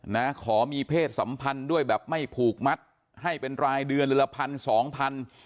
นะขอมีเพศสัมพันธ์ด้วยแบบไม่ผูกมัดให้เป็นรายเดือนละพันสองพัน